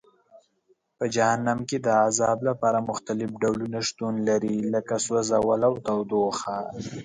په جهنم کې د عذاب لپاره مختلف ډولونه شتون لري لکه سوځول او تودوخه.